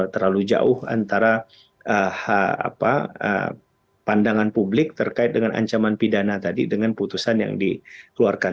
terlalu jauh antara pandangan publik terkait dengan ancaman pidana tadi dengan putusan yang dikeluarkan